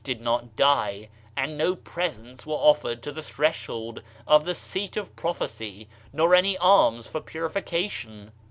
did not die), and no presents were offered to the Threshold of the Seat of Prophecy nor any alma for, purification!